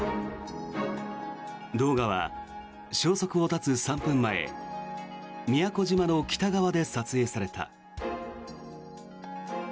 動画は消息を絶つ３分前宮古島の北側で撮影された。